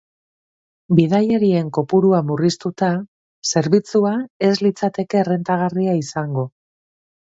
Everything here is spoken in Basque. Bidaiarien kopurua murriztuta, zerbitzua ez litzateke errentagarria izango.